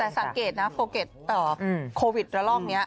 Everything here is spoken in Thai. แต่สังเกตนะโฟเกตต่อโควิดแล้วรอบนี้